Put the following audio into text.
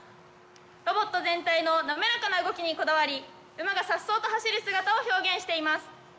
ロボット全体の滑らかな動きにこだわり馬が颯爽と走る姿を表現しています。